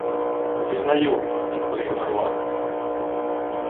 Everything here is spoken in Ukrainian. — Упізнаю, — відповів Горват.